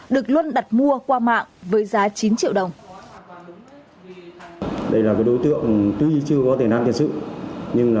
được luân đặt mua qua mạng với giá chín triệu đồng